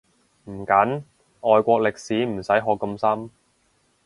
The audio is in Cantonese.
唔緊，外國歷史唔使學咁深